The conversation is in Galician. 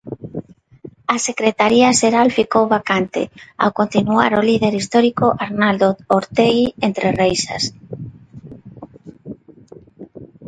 A secretaría xeral ficou vacante, ao continuar o líder histórico Arnaldo Ortegui entre reixas.